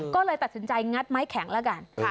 ก็เลยตัดสินใจงัดไม้แข็งแล้วกัน